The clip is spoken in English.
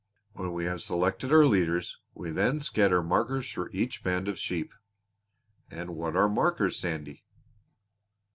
"When we have selected our leaders we then scatter markers through each band of sheep." "And what are markers, Sandy?"